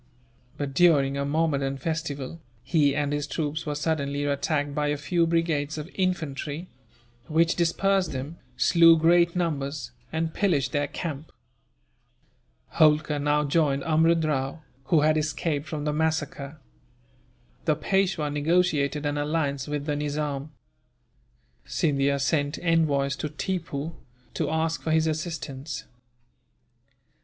But, during a Mahommedan festival, he and his troops were suddenly attacked by a few brigades of infantry; which dispersed them, slew great numbers, and pillaged their camp. Holkar now joined Amrud Rao, who had escaped from the massacre. The Peishwa negotiated an alliance with the Nizam. Scindia sent envoys to Tippoo, to ask for his assistance.